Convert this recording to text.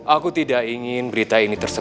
aku tidak ingin berita ini tersebar